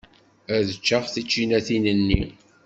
Ad ččeɣ tičinatin-nni.